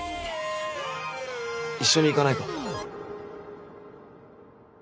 一緒に行かないか？